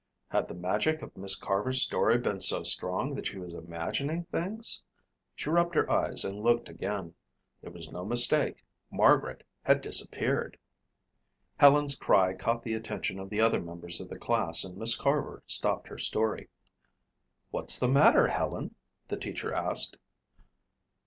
Had the magic of Miss Carver's story been so strong that she was imagining things? She rubbed her eyes and looked again. There was no mistake. Margaret had disappeared! Helen's cry caught the attention of the other members of the class and Miss Carver stopped her story. "What's the matter, Helen?" the teacher asked.